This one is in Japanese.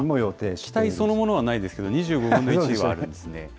機体そのものはないですけれども、２５分の１はあるんですね。